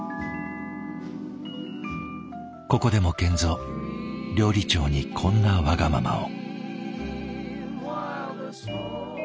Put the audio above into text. ここでも賢三料理長にこんなわがままを。